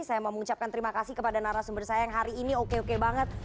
saya mau mengucapkan terima kasih kepada narasumber saya yang hari ini oke oke banget